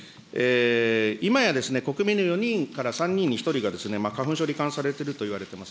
今や国民の４人から３人に１人が花粉症にり患されているといわれてます。